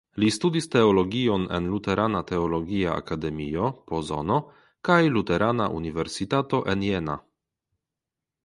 Li studis teologion en Luterana Teologia Akademio (Pozono) kaj luterana universitato en Jena.